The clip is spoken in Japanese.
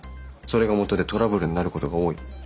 それがもとでトラブルになることが多い。